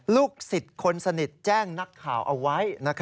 ลูกศิษย์คนสนิทแจ้งนักข่าวเอาไว้